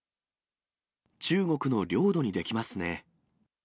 中国の領土にできますね。